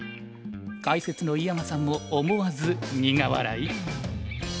解説の井山さんも思わず苦笑い？